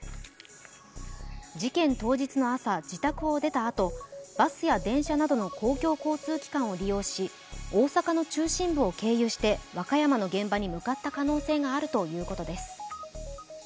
事件当日の朝、自宅を出たあとバスや電車などの公共交通機関を利用し大阪の中心部を経由して和歌山の現場に向かった可能性があるということです。